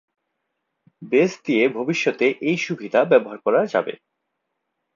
Base দিয়ে ভবিষ্যতে এই সুবিধা ব্যবহার করা যাবে।